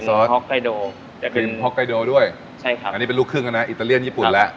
ซอสด้วยใช่ครับอันนี้เป็นลูกครึ่งอ่ะนะอิตาเลียนญี่ปุ่นแล้ว